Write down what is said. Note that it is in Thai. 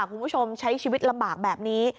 คุณผู้ชมใช้ชีวิตลำบากแบบนี้